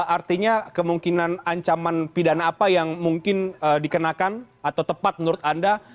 artinya kemungkinan ancaman pidana apa yang mungkin dikenakan atau tepat menurut anda